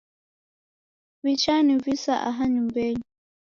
Wichanivisa aha nyumbenyi